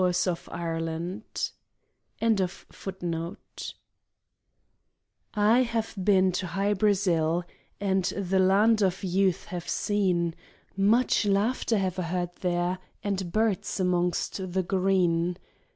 'I HAVE BEEN TO HY BRASAIL ' i I HAVE been to Hy Brasail, And the Land of Youth have seen. Much laughter have I heard there, And birds amongst the green.